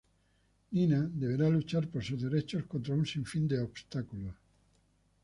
Nina deberá luchar por sus derechos contra un sinfín de obstáculos.